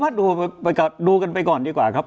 ดูกันไปก่อนดีกว่าครับ